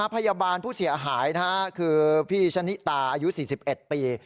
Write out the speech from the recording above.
พยาบาลผู้เสียหายคือพี่ชะนิตาอายุ๔๑ปี